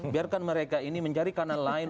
biarkan mereka ini mencari kanal lain